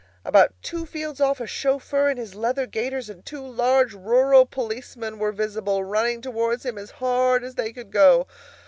About two fields off, a chauffeur in his leather gaiters and two large rural policemen were visible, running towards him as hard as they could go!